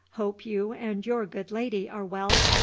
Hope you and your good lady are well.